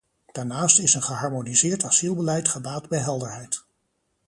Daarnaast is een geharmoniseerd asielbeleid gebaat bij helderheid.